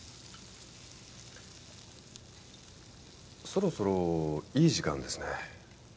そろそろいい時間ですね。